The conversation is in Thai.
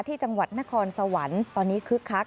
ที่จังหวัดนครสวรรค์ตอนนี้คึกคัก